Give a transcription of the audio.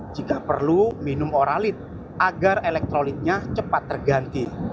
jika perlu minum oralit agar elektroniknya cepat terganti